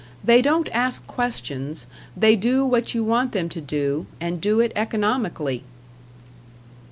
They don't ask questions, they do what you want them to do, and do it economically."